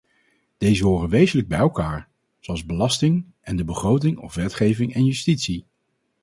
Deze horen wezenlijk bij elkaar, zoals belasting en de begroting of wetgeving en justitie.